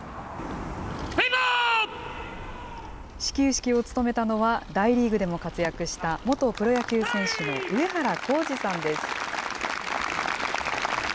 始球式を務めたのは、大リーグでも活躍した元プロ野球選手の上原浩治さんです。